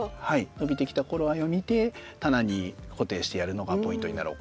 伸びてきた頃合いを見て棚に固定してやるのがポイントになろうかなと。